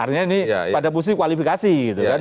artinya ini pada posisi kualifikasi gitu kan